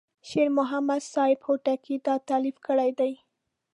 شیر محمد صاحب هوتکی دا تألیف کړی دی.